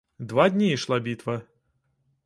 Два дні ішла бітва.